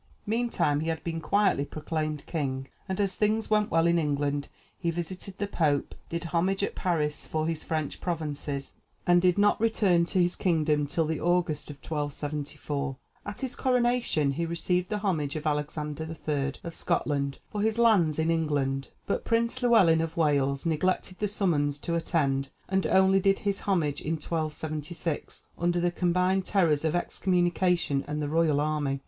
Meantime he had been quietly proclaimed king, and as things went well in England, he visited the pope, did homage at Paris for his French provinces, and did not return to his kingdom till the August of 1274. At his coronation he received the homage of Alexander III. of Scotland for his lands in England, but Prince Llewelyn of Wales neglected the summons to attend, and only did his homage in 1276, under the combined terrors of excommunication and the royal army.